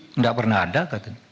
tidak pernah ada